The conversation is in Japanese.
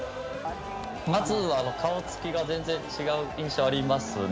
まずは顔つきが全然違う印象ありますね。